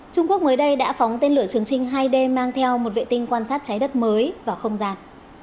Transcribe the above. trung quốc mới đây đã phóng tên lửa trường trinh hai d mang theo một vệ tinh quan sát trái đất mới vào không gian